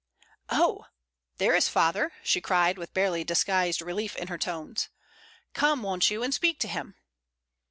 "Oh, there is father," she cried, with barely disguised relief in her tones. "Come, won't you, and speak to him."